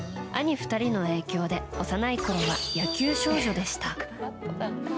兄２人の影響で幼いころは野球少女でした。